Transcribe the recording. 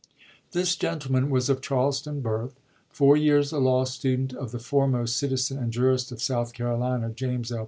This gentleman was of Charleston birth, four years a law student of the foremost citizen and jurist of South Carolina, James L.